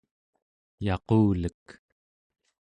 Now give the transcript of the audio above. yaqulek